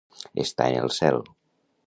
Estar en el cel.